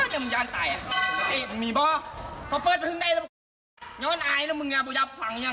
เฮ็คหน่อย